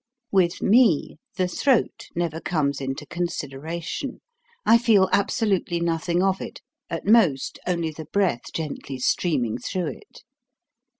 With me the throat never comes into con sideration; I feel absolutely nothing of it, at most only the breath gently streaming through it.